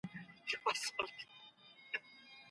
د هورمون بدلونونه د تمرکز کمښت رامنځته کوي.